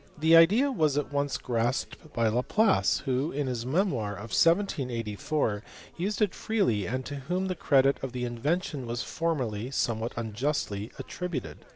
The idea was at once grasped by Laplace who, in his memoir of 1784, used it freely and to whom the credit of the invention was formerly, somewhat unjustly, attributed.